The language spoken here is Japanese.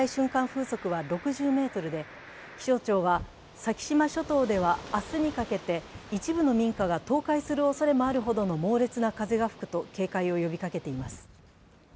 風速は６０メートルで気象庁は、先島諸島では明日にかけて一部の民家が倒壊するおそれもあるほどの猛烈な風が吹くと警戒を呼びかけています。